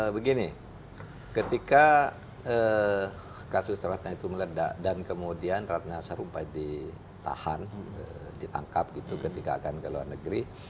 begini ketika kasus ratna itu meledak dan kemudian ratna sarumpait ditahan ditangkap gitu ketika akan ke luar negeri